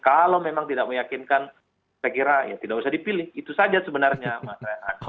kalau memang tidak meyakinkan saya kira ya tidak usah dipilih itu saja sebenarnya mas rehat